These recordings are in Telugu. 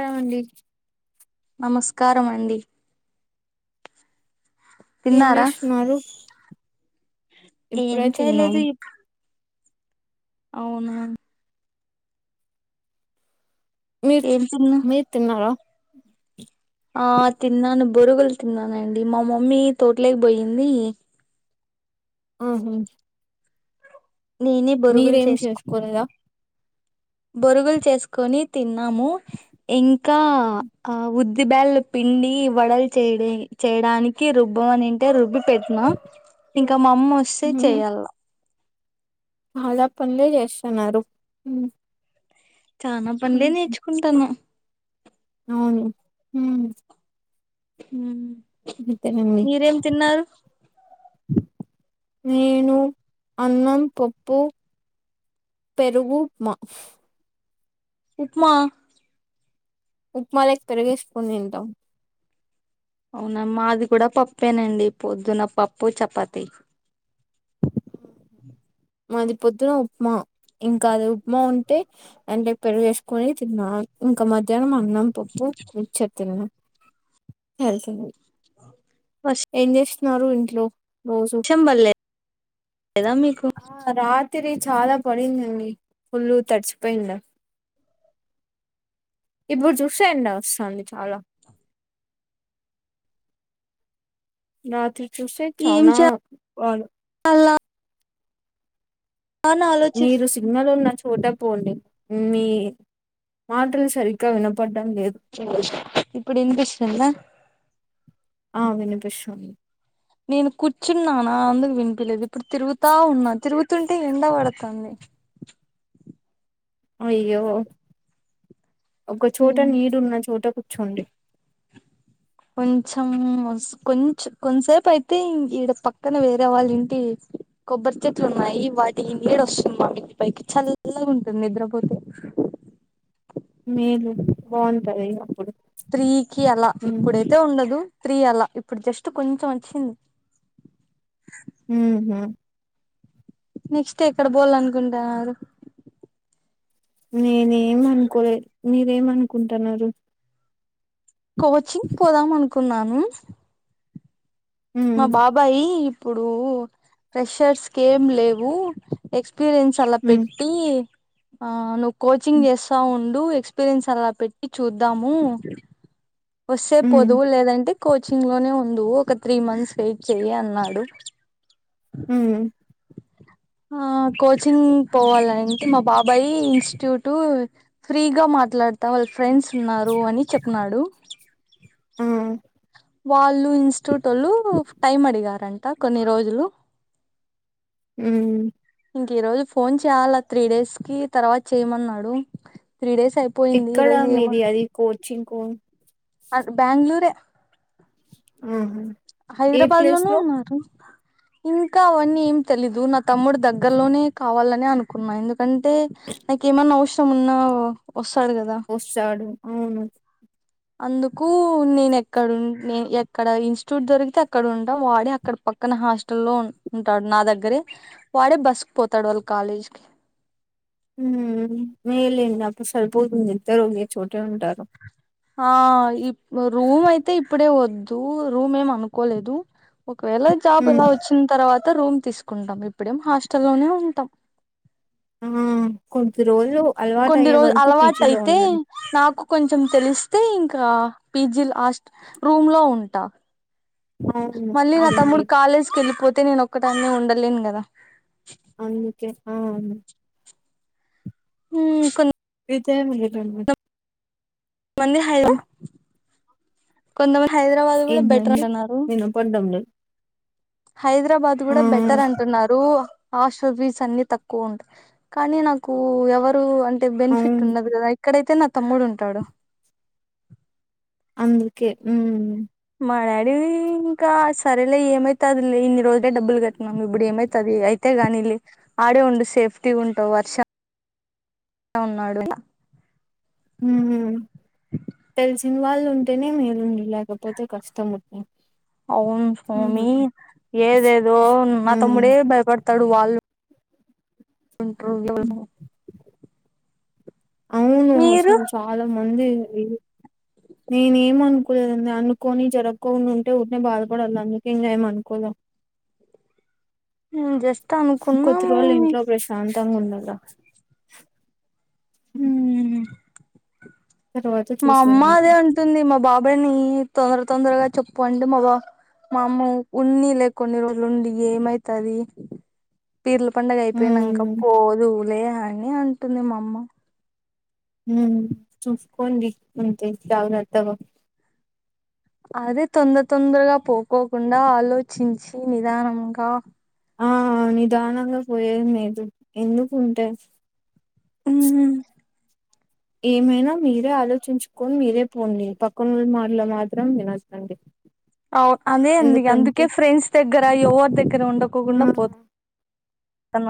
ఉంటామండి నమస్కారం అండి ఏం తిన్నారా చేస్తున్నారు ఏం ఇప్పుడే చేయలేదు తిన్నాము అవునా మీరు ఏం తిన్నా మీరు తిన్నారా ఆ తిన్నాను బొరుగులు తిన్నానండి మా మమ్మీ తోటలేక కి పోయింది ఆహా నేనే బొరుగులు మీరేం చేసుకో చేసుకోలేదా బొరుగులు చేసుకొని తిన్నాము ఇంకా ఆ ఉద్దిబేల్ పిండి వడలు చేయ చేయడానికి రుబ్బమనుంటే రుబ్బి పెట్న ఇంకా మా అమ్మ వస్తే ఉహు చెయాల చాలా పనులే చేస్తున్నారు మ్ చానా పన్లులే నేర్చుకుంటాను అవును హ్మ్ మ్ మీరేం తిన్నారు నేను అన్నం పప్పు పెరుగు ఉప్మా ఉప్మా ఉప్మాలె పెరిగేసుకొని తింటాం అవునా మాది కూడా పప్పేనండి పొద్దున్న పప్పు చపాతి మ్ మాది పొద్దున ఉప్మా ఇంకా అది ఉప్మా ఉంటే అంటే పెరుగేసుకొని తిన్నాను ఇంకా మధ్యాహ్నం అన్నం పప్పు చ తిన్నాను తెలిసింది ఏం చేస్తున్నారు ఇంట్లో రోజు ర్షం పడ్లే లేదా మీకు రాత్రి చాలా పడిందండి పుల్లుగ తడిచిపోయిండ ఇప్పుడు చూసే ఎండి వస్తది చాలా రాత్రి చూస్తే ఏం చాలా వాలు చేయాలా అని ఆలోచిస్ మీరు సిగ్నల్ ఉన్నచ్ చోట పోండి మీ మాటలు సరిగ్గా వినపడ్ ఇప్పుడు ఇనిప్పిస్తుంద ఆ వినిపిస్తుంది నేను కూర్చున్నాన అందుకు వినిపిలేదు ఇప్పుడు తిరుగుతా ఉన్నాను తిరుగుతుంటే ఎండ బడతాంది అయ్యో ఒకచోట నీడున్న చోట కూర్చోండి కొంచెం కొంచం కొంతసేపైతే ఈడ పక్కన వేరే వాళ్ళ ఇంటి కొబ్బరి చెట్లు ఉన్నాయి వాటి నీడ వస్తుంది మా ఇంటి పైకి చల్లగ ఉంటుంది నిద్రపోతే అ మేలు బావుంటదిగ అప్పుడు త్రీకి అలా ఇప్పుడైతే ఉండదు త్రీ అల ఇప్పుడు జస్ట్ కొంచెం వచ్చింది మ్ హు నెక్స్ట్ ఎక్కడ బోలనుకుంటన్నారు నేనే ఏం అనుకోలే మీరేమనుకుంటున్నారు కోచింగ్ పోదాం అనుకున్నాను ఉ మా బాబాయి ఇప్పుడు ఫ్రెషర్స్కి ఏం లేవు ఎక్ క్స్పిరియన్స్ అలా ఉ పెట్టి ఆ నువ్వు కోచింగ్ చేస్తా ఉం డు ఎక్స్పీరియన్స్ అలా పెట్టి చూద్దాము వస్తే ఉ పొదువు లేదంటే కోచింగ్ లోనే ఉండు ఒక త్రీ మంత్స్ వెయిట్ చెయ్య అన్నాడు హ్మ్ ఆ కోచింగ్ పోవాలంటే మా బాబాయ్ ఇన్స్టిట్యూటు ఫ్రీగా మా మాట్లాడతా వాళ్ళ ఫ్రెండ్స్ ఉన్నారు అని చెప్న్నాడు మ్మ్ వాళ్ళు ఇన్ స్టూటోళ్ళు టైమ్ అడిగారంట కొన్ని రోజులు ఉమ్ ఇంక ఈ రోజు ఫోన్ చేయాల త్రీ డేస్ కి తర్వాత చేయమన్నాడు త్రీ డేస్ అయిపోయింది ఈ రోజు ఏమ కోన్ అటు బ్యాంగ్ళూరే ఊహు హైదరాబాద్ లోనే ఉన్నారు ఇంకా అవన్నీ ఏం తెలీదు నా తమ్ముడు దగ్గర్లోనే కావాలనే అనుకున్నా ఎందు అంటే నాకు ఏమన్నా అవసరం ఉన్నా వస్తాడు గదా వస్తాడు అవును అందుకు నేను ఎక్కడ ఉన్ నే ఎక్కడ ఇన్స్టిట్యూట్ దొరికితే అక్కడ ఉంటా వాడే అక్కడ పక్కన నా హాస్టల్లో ఉంటాడు నా దగ్గరే వాడే బస్ పోతాడు వాళ్ళ కాలేజ్ కి ఊమ్ ఏల్లేదు నాకు సరిపోతుంది ఇద్దరు ఒకే చోటే ఉంటారు ఆ ఈ రూమ్ అయితే ఇప్పుడే వద్దూ రూమ్ ఏం అనుకోలేదు ఒకవేళ జాబ్ హ్మ్. ఇలా వచ్చిన తర్వా త రూమ్ తీసుకుంటాం ఇప్పుడేం హాస్టల్ లోనే ఉంటాం ఆ కొద్ధి రోజుల్ కొంది రోజు అలవాటు అయితే నాకు కొంచెం తెలిస్తే ఇంకా పీ జి లాస్ట్ రూమ్ లో ఉంటా అవును మళ్ళీ నా అది తమ్ముడు మేలు కాలేజ్ కి ఎళ్ళిపోతే నేను ఒక్కదాన్నే ఉండలేను గదా అందుకే ఆ అవును హూమ్ కొన్ని వితే [unintelligible] మంది హై [unintelligible] కొంతమంది హైదరాబాద్ గూడా బెటర్ ఏంటండి అన్నారు వినపడ్డం లేదు హైదరాబాద్ ఆ గూడా బెటర్ అంటున్నారు ఆష్టల్ ఫీస్ అన్నీ తక్కువ ఉంట కానీ నాకు ఎవరు అన్ టె బెనిఫిట్ అవును ఉండదు గదా ఇక్కడైతే నా తమ్ముడు ఉంటాడు అందుకే ఊమ్ మా డాడీ ఇంకా సరేలే ఏమైతాది లే ఈరోజు డే డబ్బులు కట్టినాము ఇప్పుడు ఏమైతాది అయితె గానీలే ఆడే ఉండు సేఫ్టీగ ఉంటవ్ వర్ష అ ఉన్నాడు [unintelligible] ఇన్వాల్వ్ ఉంటేనే మీరుండు లేకపోతే కష్టం ఉంటాయ్ అవున్ స్వామి ఏదేదో మా తమ్ముడే భయపడతాడు వాళ్ళు [unintelligible] అవును మీరు అసల్ చాలా మంది నేనేం అనుకోలేదండి అనుకోని జరక్కోను టే ఉట్నే బాధపడాలని జెప్పి ఇంగ ఏమ్ అనుకోలె ఊ నేను జస్ట్ అనుకున్నాము తమ్ ఉండద ఉహు మా అమ్మ అదే చూసేదంతే అంటుంది మా బాబాయ్ ని తొందర తొందరగా చెప్పు అండె మా బా మా అమ్మ ఉన్ని లే కొన్ని రోజులు ఉండి యేమైతాది పీర్ల పండగ అయిపోయినంక ఉమ్ పోదువులే అని అంటుంది మా అమ్మ ఉమ్ చూస్కొండి అంతే జాగ్రత్తగా అదే తొందర తొందరగా పోకోకుండా ఆలోచించి నిదానంగా ఆ నిదానంగా పోయేది లేదు ఎందుకు ఉంటే మ్మ్ ఏమైనా మీరే ఆలోచించుకొని మీరే పోండి పక్కనోల్ మాటలు మాత్రం వినోదండి అవు అదే అండి అందుకే ఫ్రెండ్స్ దగ్గర ఎవరి దగ్గర ఉండకోకుండా పోతు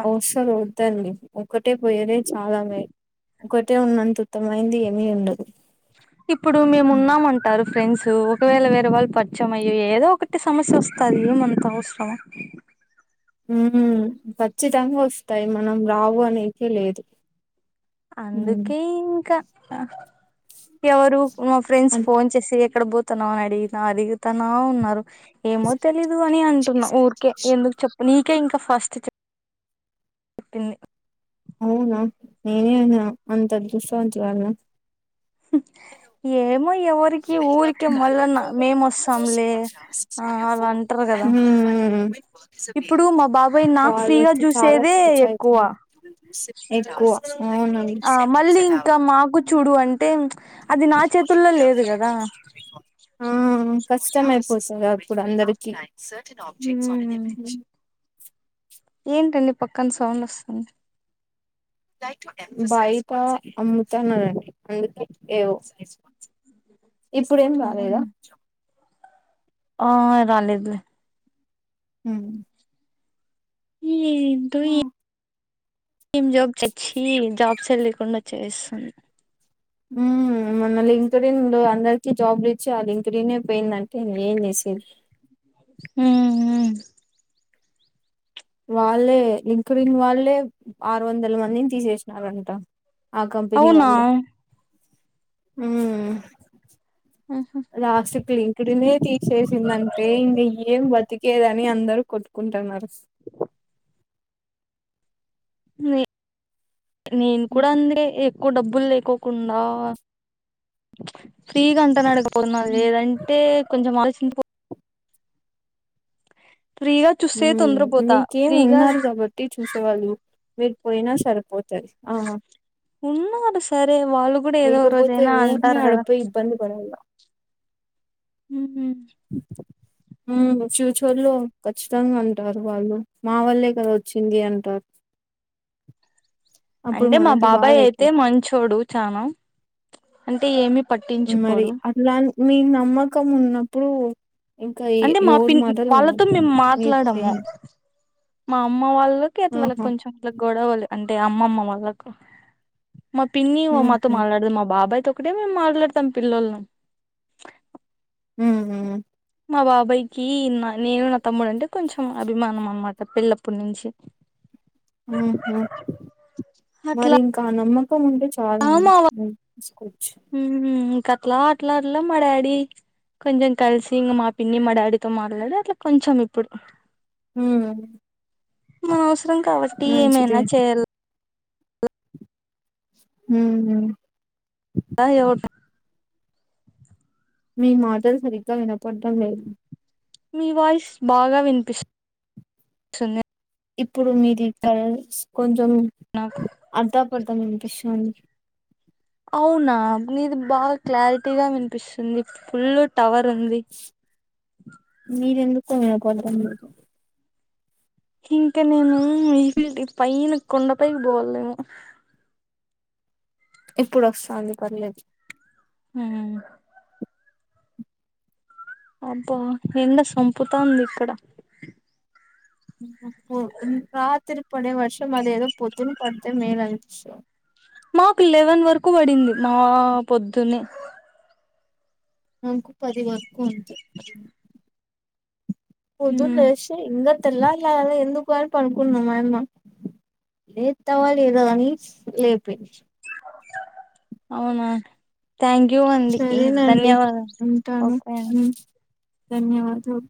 అఔష రద్దండి ఒక్కటే పోయనే చాలా మ ఒకటే ఉన్నంత ఉత్తమైంది ఏమి ఉండదు ఇప్పుడు మేము ఉన్నాము అంటారు ఫ్రెండ్స్ ఇప్పుడు ఒకవేళ వేరే వాళ్ళు పరిచయం అయి ఏదో ఒకటి సమస్య వస్తది ఎంది అంత అవసరం ఉమ్ ఖచ్చితంగా వస్తాయి మనం రావు అనేకి లేదు మ్మ్ అందుకే ఇంకా ఎవరు మా ఫ్రెండ్స్ అన్ ఫోన్ చేసి ఎక్కడ పోతాన అడిగినా అడుగుతానా ఉన్నారు ఏమో తెలీదు అని అంటున్నా ఊరికే ఎందుకు చెప్ నీకే ఇంకా ఫస్ట్ చెప్పింది అవునా నేనేనా అంత అదృష్టవంతరాలినా ఏమో ఎవో అఊరికి ఊరికే మళ్ళన్న మేము వస్తాంలే ఆ అలా అంటారు కదా మ్మ్ ఇప్పుడు మా బాబాయ్ నాకు ఫ్రీగా వాళ్ళతో చాలా చూసేదే పంచాయతీ ఎక్కువ ఎక్కువ అవునండి ఆ మళ్ళీ ఇంకా మాకు చూడు అం టే అది నా చేతుల్లో లేదు కదా ఆ కష్టమయి పోతుంది అప్పుడు అందరికీ ఉమ్ ఏంటండి పక్కన సౌండ్ వస్తుంది బయట అమ్ముతాన్న రండి అందుకే ఏవో ఇప్పుడు ఏం రాలేదా ఆ రాలేదులే హమ్ ఎంటో ఏ టీమ్ జాబ్ తెచ్చి జాబ్స్ ఎ లేకుండా చేస్తుంది ఉమ్ మొన్న లే లింక్డ్ఇన్ లో అందరికి జాబ్ లు ఇచ్చే ఆ లింక్డ్ ఇన్ పోయిందంటే ఇంక ఏం చేసేది ఉమ్ వాళ్ళే లింక్డ్ఇన్ వాళ్ళే ఆరు వందల మందిని తీసేసినారంట ఆ కంపెనీ అవునా వాళ్ళే అమ్ రాసిట్లి లింక్డ్ ఇన్ తీసేసిందంటే ఇంక ఏం బతికేదని అందరూ కొట్టుకు కుంటాన్నారు నే నేను కూడా అందే ఎక్కువ డబ్బులు లేకోకుండా ఫ్రీగా అంతల అడుగు పోతున్నా హ్మ్ లేదంటే కొంచెం ఆలోచించి పో ఫ్రీగా చూస్తే తొందరపోతా మీకేం ఫ్రీగా ఉన్నారు కాబట్టి చూసేవాళ్ళు మీది పోయినా సరిపోతది ఆహా ఉన్నారు సరే వాళ్ళు కూడా ఏదో లేకపోతే రోజైనా ఊరునే అంటారు కదా అడపోయి ఇబ్బంది పడాల హుమ్మ్ ఆ ఫ్యూచర్ లో కచ్చితంగా అంటారు వాళ్ళు మా వాళ్లే కదా వచ్చింది అంటారు అప్పుడు అంటే మా మనకి బాబాయ్ అయితే బాధైతది. మంచోడు చనా అంటే ఏమి మరి పట్టించుకోడు అట్లా మీ నమ్మకం ఉన్నప్పుడు ఇంకా ఎ అంటే మా పి ఎవరి మాటలు వాళ్ళతో మేము వినొద్దండి. మీరు మాట్లాడము చేయండి. మా అమ్మ వాళ్ళకి అట్లా ఆహా! కొంచెం అట్లా గొడవలు అంటే అమ్మమ్మ వాళ్ళకు మా పిన్ని మాతో హుహు. మాట్లాడదు మా బాబాయ్ తో ఓక్కడే మేము మాట్లాడతాం పిల్లోల్లం హ్మ్మ్ మా బాబాయ్కి నా నేను నా తమ్ముడు అంటే కొంచెం అభిమానం అనమాట పెళ్లపటి నుంచి ఆహా అట్లా మరింకా నమ్మ పుక్కం ఉంటే చాల ఉంది మా తీసుకోచ్చు కత్లా ఆట్లాడ మా డాడీ కొంచెం కలిసి ఇం మా పిన్ని మా డాడీతో మాట్లాడి అట్లా కొంచెం ఇప్పుడు హుమ్మ్ మన అవసరం కాబట్టి ఏమైనా చేయాలి ఉహు ఎవట మీ మాటలు సరిగ్గా వినపడటడం లేదు మీ వాయిస్ బాగా వినిపిస్తుంది ఇప్పుడు మీది పర్ కొంచెం నాకు అర్థం కొడతాం ఇనిపిస్తుంది అవునా నిది బాగా క్లారిటీగా వినిపిస్తుంది ఫుల్ టవర్ ఉంది మీరు ఎందుకో మ కోల్త [inaudible] ఇంకా నేను ఈ ఫీ ఈ పైన కొండపైైకి పోవాలలేమో ఇప్పుడు వస్తాంది పర్లేేదు హుమ్మ్ అబ్బా ఎండ సంపుతంది ఇక్కడ రాత్రి పడే వర్షం అదే ఏదో పొద్దున పడితే మేలు అనిపిస్తుంది మాకు లెవెన్ వరకు పడింది మా పొద్దున్నీ నకు పది వరకు ఉంది ఉమ్ పొద్దునలేసి ఇంగ తెల్లారలే ఎందుకు అని పడుకున్న మాయమ్మ లే తవా లేదా అని లేపోయింది అవునా థ్యాంక్ యూ అండి సరేనండి ధన్యవాదాలు ఉంటాను ఓకే అండి ధన్యవాదాలు